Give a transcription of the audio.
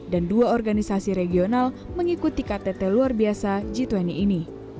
dan dua organisasi regional mengikuti ktt luar biasa g dua puluh ini